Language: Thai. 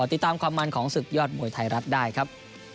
ติดตามความมันของศึกยอดมวยไทยรัฐได้ครับ